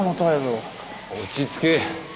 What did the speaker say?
落ち着け。